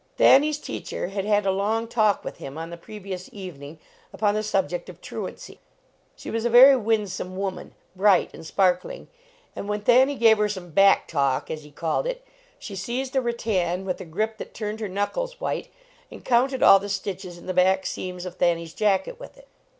Thanny s teacher had had a long talk with him on the previous evening upon the subject of truancy. She was a very winsome woman, bright and sparkling, and when Thanny gave her some "back talk," as he called it, sfce seized a rattan with a grip that turned her knuckles white, and counted all the stitches in the back seams of Thanny s jacket with it.